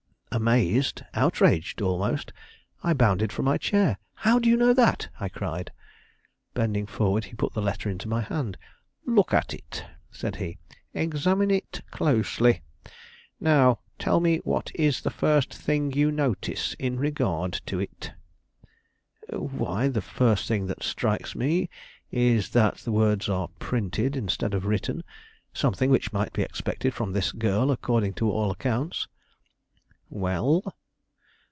Amazed, outraged almost, I bounded from my chair. "How do you know that?" I cried. Bending forward, he put the letter into my hand. "Look at it," said he; "examine it closely. Now tell me what is the first thing you notice in regard to it?" "Why, the first thing that strikes me, is that the words are printed, instead of written; something which might be expected from this girl, according to all accounts." "Well?"